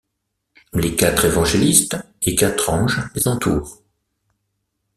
Les quatre Évangélistes et quatre anges les entourent.